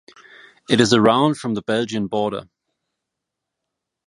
It is around from the Belgian border.